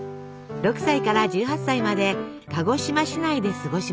６歳から１８歳まで鹿児島市内で過ごしました。